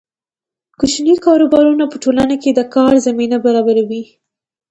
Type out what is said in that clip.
کوچني کاروبارونه په ټولنه کې د کار زمینه برابروي.